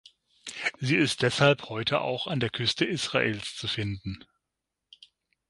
Sie ist deshalb heute auch an der Küste Israels zu finden.